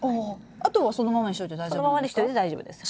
あとはそのままにしといて大丈夫なんですか？